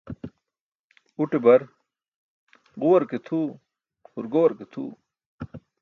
Uṭe bar, "ġuwar ke tʰuw, hurgowar ke tʰuw".